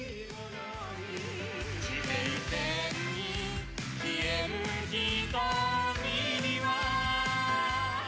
「地平線に消える瞳には」